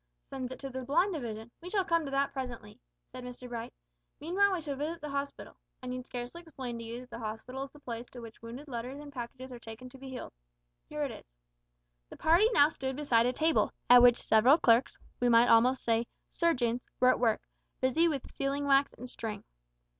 "Sends it to the blind division; we shall come to that presently," said Mr Bright. "Meanwhile we shall visit the hospital I need scarcely explain to you that the hospital is the place to which wounded letters and packages are taken to be healed. Here it is." The party now stood beside a table, at which several clerks we might almost say surgeons were at work, busy with sealing wax and string.